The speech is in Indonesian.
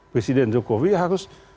presiden jokowi harus